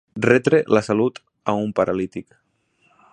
Retre la salut a un paralític.